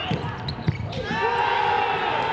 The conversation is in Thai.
หลับหลับ